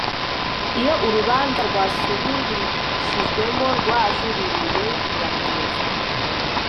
Iyo urubanza rwasubirishijwemo rwajuririwe rurakomeza